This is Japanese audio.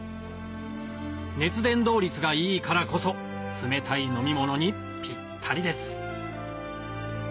熱伝導率がいいからこそ冷たい飲み物にピッタリです